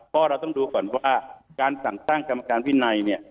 เพราะเราต้องดูก่อนว่าการสั่งตั้งกรรมการวินัยเนี่ย